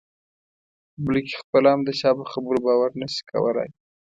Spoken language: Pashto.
بلکې خپله هم د چا په خبرو باور نه شي کولای.